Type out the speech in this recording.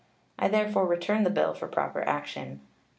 I therefore return the bill for proper action.